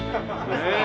ねえ。